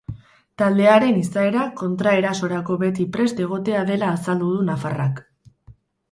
Taldearen izaera kontraerasorako beti prest egotea dela azaldu du nafarrak.